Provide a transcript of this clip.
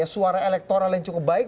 suara elektoral yang cukup baik